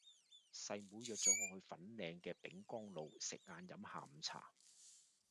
細妹約左我去粉嶺嘅丙岡路食晏飲下午茶